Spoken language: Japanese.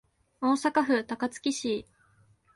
大阪府高槻市